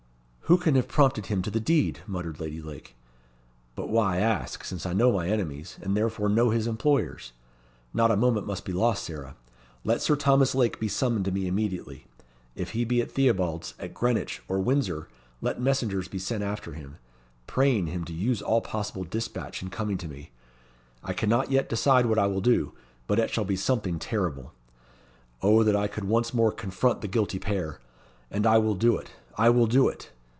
"Who can have prompted him to the deed?" muttered Lady Lake. "But why ask, since I know my enemies, and therefore know his employers! Not a moment must be lost, Sarah. Let Sir Thomas Lake be summoned to me immediately. If he be at Theobalds, at Greenwich, or Windsor, let messengers be sent after him, praying him to use all possible dispatch in coming to me. I cannot yet decide what I will do, but it shall be something terrible. Oh, that I could once more confront the guilty pair! And I will do it I will do it!